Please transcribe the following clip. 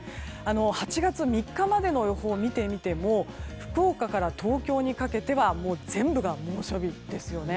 ８月３日までの予報を見てみても福岡から東京にかけては全部が猛暑日ですよね。